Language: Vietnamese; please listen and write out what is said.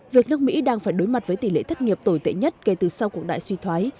việc nước mỹ đang phải đối mặt với tỷ lệ thất nghiệp tồi tệ nhất kể từ sau cuộc đại suy thoái